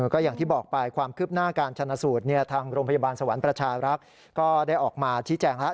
ก็อย่างที่บอกไปความคืบหน้าการชนะสูตรทางโรงพยาบาลสวรรค์ประชารักษ์ก็ได้ออกมาชี้แจงแล้ว